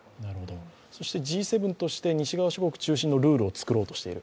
そしてＧ７として西側諸国中心のルールを作ろうとしている。